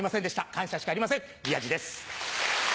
感謝しかありません宮治です。